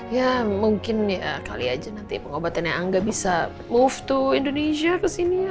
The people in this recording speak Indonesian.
ya mungkin ya kali aja nanti pengobatan yang angga bisa move to indonesia ke sini ya